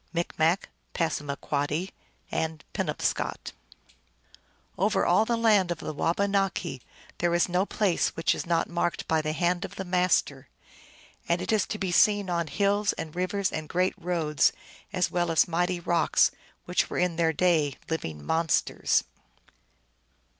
(Micmac, Passamaquoddy, Penobscot.) i Over all the Land of the Wabanaki there is n(|> place which was not marked by the hand of the Mas ter. And it is to be seen on hills and rivers anc great roads, as well as mighty rocks, which were in their day living monsters.